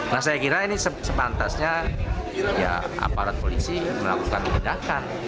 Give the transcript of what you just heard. nah saya kira ini sepantasnya aparat polisi melakukan merendahkan